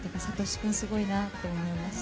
君、すごいなって思いました。